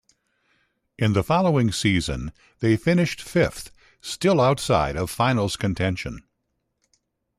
In the following season, they finished fifth, still outside of finals contention.